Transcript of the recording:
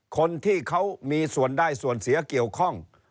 คนที่เขามีส่วนได้ส่วนเสียเกี่ยวข้อง